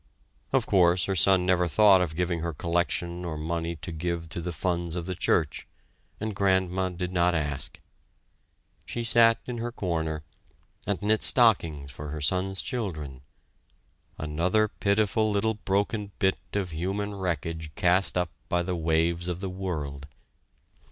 Of course her son never thought of giving her collection or money to give to the funds of the church, and Grandma did not ask. She sat in her corner, and knit stockings for her son's children; another pitiful little broken bit of human wreckage cast up by the waves of the world.